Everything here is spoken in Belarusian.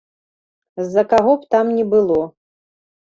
З-за каго б там ні было.